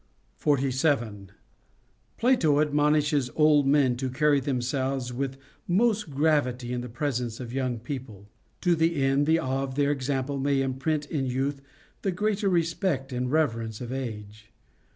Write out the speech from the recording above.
47. Plato admonishes old men to carry themselves with most gravity in the presence of young people, to the end the awe of their example may imprint in youth the greater respect and reverence of age.